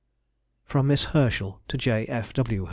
_] FROM MISS HERSCHEL TO J. F. W.